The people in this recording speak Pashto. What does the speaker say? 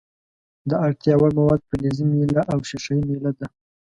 د اړتیا وړ مواد فلزي میله او ښيښه یي میله ده.